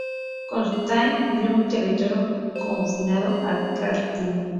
Constantine vio su territorio confinado a Kartli.